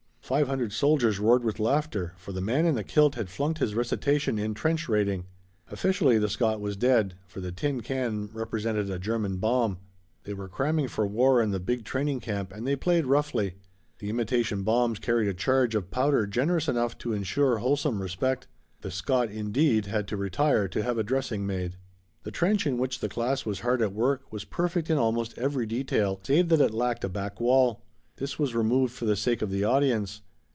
Five hundred soldiers roared with laughter, for the man in the kilt had flunked his recitation in "Trench Raiding." Officially the Scot was dead, for the tin can represented a German bomb. They were cramming for war in the big training camp and they played roughly. The imitation bombs carried a charge of powder generous enough to insure wholesome respect. The Scot, indeed, had to retire to have a dressing made. The trench in which the class was hard at work was perfect in almost every detail, save that it lacked a back wall. This was removed for the sake of the audience.